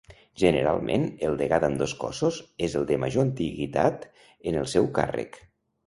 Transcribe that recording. Generalment, el degà d'ambdós cossos és el de major antiguitat en el seu càrrec.